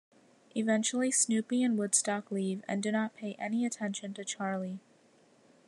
Eventually Snoopy and Woodstock leave and do not pay any attention to Charlie.